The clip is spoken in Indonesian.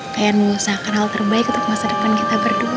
pengen mengusahakan hal terbaik untuk masa depan kita berdua